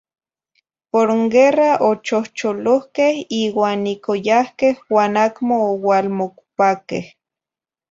Por n guerra ochohcholohqueh uan ic oyahqueh uan acmo oualmocopaqueh.